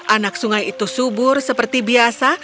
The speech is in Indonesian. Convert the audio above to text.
anak sungai itu subur seperti biasa